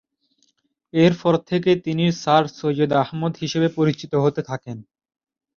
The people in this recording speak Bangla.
এর পর থেকে তিনি স্যার সৈয়দ আহমদ; হিসাবে পরিচিত হতে থাকেন।